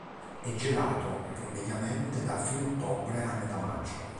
È gelato, mediamente, da fine ottobre a metà maggio.